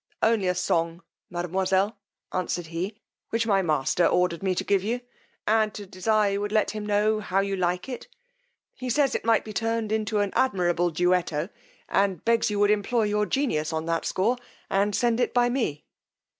Only a song, mademoiselle, answered he, which my master ordered me to give you, and to desire you will let him know how you like it: he says it might be turned into an admirable duetto, and begs you would employ your genius on that score and send it by me.